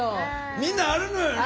みんなあるのよね。